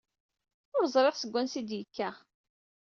Ur ẓriɣ seg wansi ay d-yekka.